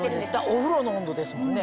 お風呂の温度ですもんね。